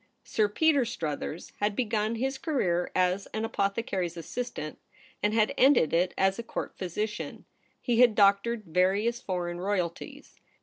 Sir Peter Struthers had begun his career as an apothecary's assistant, and had ended it as a Court physician. He had doctored various foreign royalties.